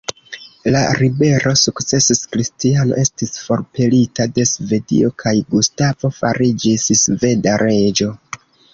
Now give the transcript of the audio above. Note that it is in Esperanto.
La ribelo sukcesis, Kristiano estis forpelita de Svedio, kaj Gustavo fariĝis sveda reĝo.